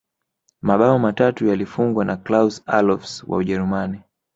mabao matatu yalifungwa na klaus allofs wa ujerumani